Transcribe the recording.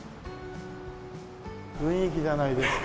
雰囲気じゃないですか。